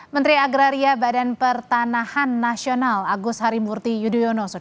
menteri agraria badan pertanahan nasional agus harimurti yudhoyono